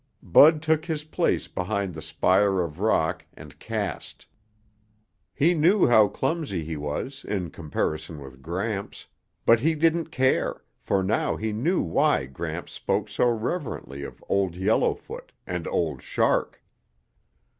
Bud took his place behind the spire of rock and cast. He knew how clumsy he was in comparison with Gramps, but he didn't care, for now he knew why Gramps spoke so reverently of Old Yellowfoot and Old Shark.